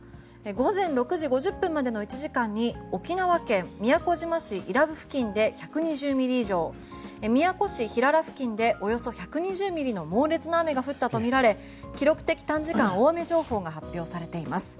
午前６時５０分までの１時間に沖縄県宮古島市伊良部付近で１２０ミリ以上宮古島市平良付近でおよそ１２０ミリの猛烈な雨が降ったとみられ記録的短時間大雨情報が発表されています。